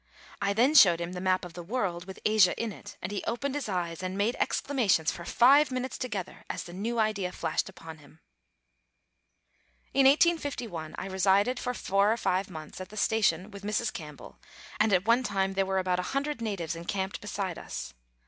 I then showed him the map of the world, with Asia in it, and he opened his eyes,, and made exclamations for five minutes together as the new idea flashed upon him. In 1851 I resided for four or five months at the station with Mrs. Campbell, and at one time there were about 100 natives en camped beside us.